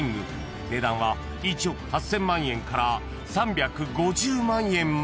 ［値段は１億８，０００万円から３５０万円まで］